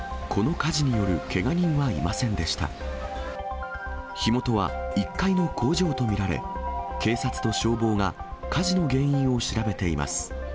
火元は１階の工場と見られ、警察と消防が火事の原因を調べています。